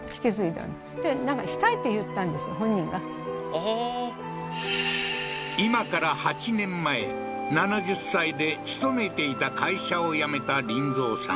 ああー今から８年前７０歳で勤めていた会社を辞めた林三さん